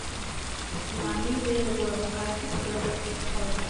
სენბერნარი ვერ ეგუება ქალაქის პირობებში ცხოვრებას.